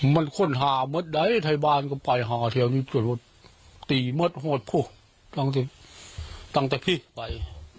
มันคนหาเมธไหนไทยบ้านก็ไปหาเทียวนี้ตัวรถตีเมธโธ่พูดตั้งแต่พี่ไป